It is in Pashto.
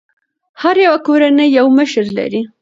هره يوه کورنۍ یو مشر لري.